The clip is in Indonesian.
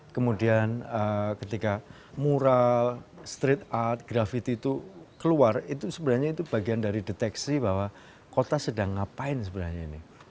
kemudian ketika mural street art gravity itu keluar itu sebenarnya itu bagian dari deteksi bahwa kota sedang ngapain sebenarnya ini